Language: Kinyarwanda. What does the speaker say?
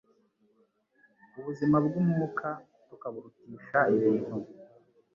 ubuzima bw'umwuka, tukaburutisha ibintu